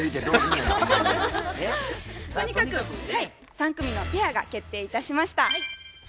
とにかく３組のペアが決定いたしました。